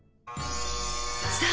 さあ